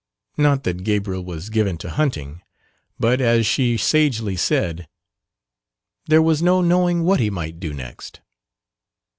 Not that Gabriel was given to hunting, but, as she sagely said, "there was no knowing what he might do next."